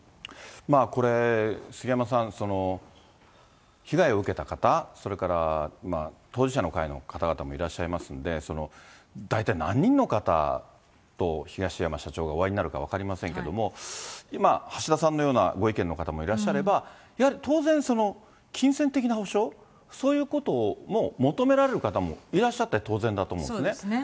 これ、杉山さん、被害を受けた方、それから当事者の会の方々もいらっしゃいますんで、大体何人の方と東山社長がお会いになるか分かりませんけども、今、橋田さんのようなご意見の方もいらっしゃれば、やはり当然その、金銭的な補償、そういうことも求められる方もいらっしゃって当然だと思うんですそうですね。